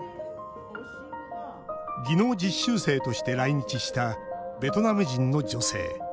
技能実習生として来日したベトナム人の女性。